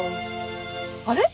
あれ？